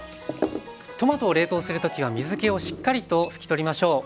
トマトを冷凍する時は水けをしっかりと拭き取りましょう。